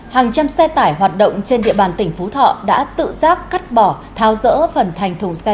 hàng trăm xe tải hoạt động trên địa bàn tỉnh phú thọ đã tự giác cắt bỏ tháo rỡ phần thành thùng xe